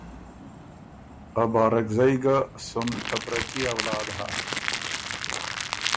ا بارکزئ ګه، سُم ته بره کي اولاد هۀ